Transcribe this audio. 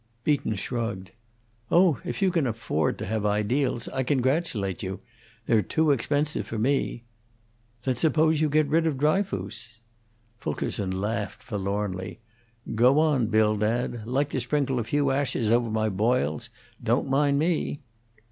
Beaton shrugged. "Oh, if you can afford to have ideals, I congratulate you. They're too expensive for me. Then, suppose you get rid of Dryfoos?" Fulkerson laughed forlornly. "Go on, Bildad. Like to sprinkle a few ashes over my boils? Don't mind me!"